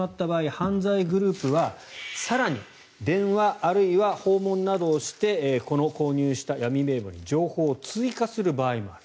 犯罪グループは更に、電話あるいは訪問などをしてこの購入した闇名簿に情報を追加する場合もある。